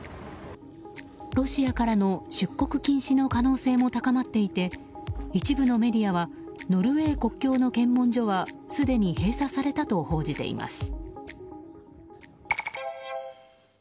ロシアからの出国禁止の可能性も高まっていて一部のメディアはノルウェー国境の検問所はすでに閉鎖されたと報じています。